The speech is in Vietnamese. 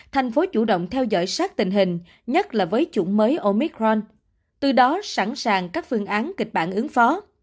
thành phố chủ động theo dõi sát tình hình nhất là với chủng mới omic ron từ đó sẵn sàng các phương án kịch bản ứng phó